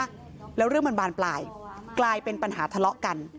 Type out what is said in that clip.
แล้วเรื่องมันบานปลายกลายเป็นปัญหาทะเลาะกัน